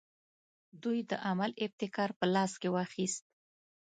دوی د عمل ابتکار په لاس کې واخیست.